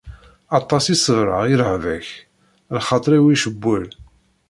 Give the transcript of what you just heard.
Aṭas i ṣebreɣ i rrehba-k, lxaṭer-iw icewwel.